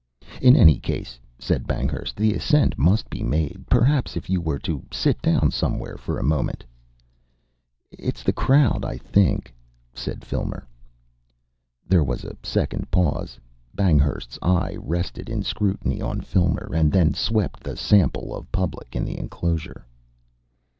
"In any case," said Banghurst, "the ascent must be made. Perhaps if you were to sit down somewhere for a moment " "It's the crowd, I think," said Filmer. There was a second pause. Banghurst's eye rested in scrutiny on Filmer, and then swept the sample of public in the enclosure.